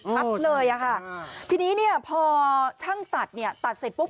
ชัดเลยอะค่ะทีนี้เนี่ยพอช่างตัดเนี่ยตัดเสร็จปุ๊บ